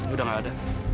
udah gak ada